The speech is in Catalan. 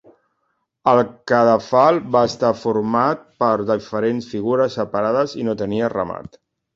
El cadafal va estar format per diferents figures separades i no tenia remat.